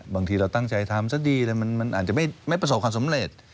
บางทีเราตั้งใจทำซะดีเลยมันอาจจะไม่ประสบความสำเร็จ